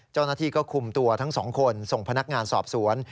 เจ้าหน้าที่ก็คุมตัวทั้งสองคนส่งพนักงานสอบสวน